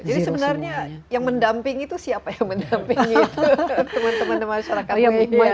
jadi sebenarnya yang mendampingi itu siapa yang mendampingi itu teman teman masyarakat wehiya